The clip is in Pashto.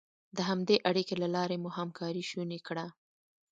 د همدې اړیکې له لارې مو همکاري شونې کړه.